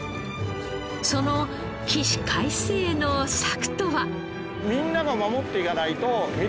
その起死回生の策とは？